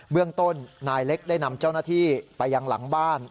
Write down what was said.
เรื่องต้นนายเล็กได้นำเจ้าหน้าที่ไปยังหลังบ้าน